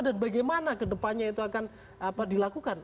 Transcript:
dan bagaimana kedepannya itu akan dilakukan